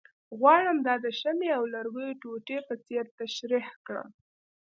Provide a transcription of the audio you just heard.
غواړم دا د شمعې او لرګیو ټوټې په څېر تشریح کړم،